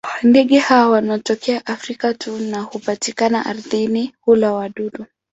Ndege hawa wanatokea Afrika tu na hupatikana ardhini; hula wadudu.